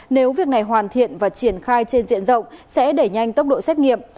nếu việc này hoàn thiện và triển khai trên diện rộng sẽ đẩy nhanh tốc độ xét nghiệm